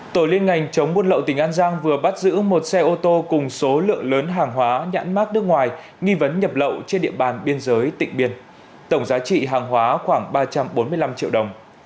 tổ liên ngành chống buôn lậu tỉnh an giang vừa bắt giữ một xe ô tô cùng số lượng lớn hàng hóa nhãn mát nước ngoài nghi vấn nhập lậu trên địa bàn biên giới tỉnh biên tổng giá trị hàng hóa khoảng ba trăm bốn mươi năm triệu đồng